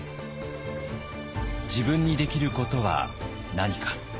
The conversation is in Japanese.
自分にできることは何か。